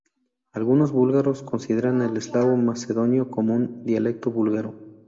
Algunos búlgaros consideran el eslavo macedonio como un dialecto búlgaro.